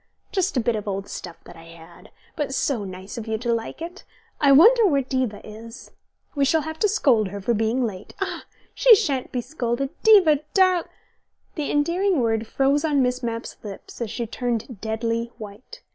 Just a bit of old stuff that I had. But so nice of you to like it. I wonder where Diva is. We shall have to scold her for being late. Ah she shan't be scolded. Diva, darl " The endearing word froze on Miss Mapp's lips and she turned deadly white.